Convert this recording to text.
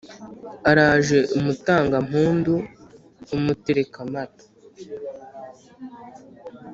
araje umutangampundu, umuterekamata